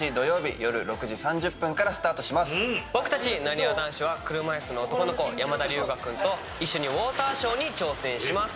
僕たちなにわ男子は車椅子の男の子山田龍芽君とウオーターショーに挑戦します。